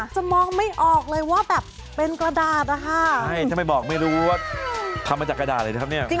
จะมองไม่ออกเลยว่าแบบเป็นกระดาษนะคะใช่ถ้าไม่บอกไม่รู้ว่าทำมาจากกระดาษเลยนะครับเนี่ย